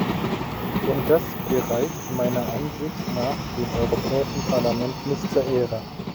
Und das gereicht meiner Ansicht nach dem Europäischen Parlament nicht zur Ehre.